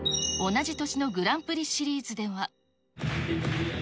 同じ年のグランプリシリーズでは。